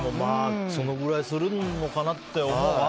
そのくらいするのかなって思うね。